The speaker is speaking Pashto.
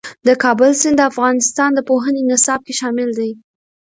د کابل سیند د افغانستان د پوهنې نصاب کې شامل دي.